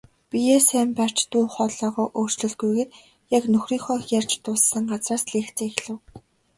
Биеэ сайн барьж, дуу хоолойгоо өөрчлөлгүйгээр яг нөхрийнхөө ярьж дууссан газраас лекцээ эхлэв.